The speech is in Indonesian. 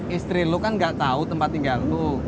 istri lo kan gak tau tempat tinggal lo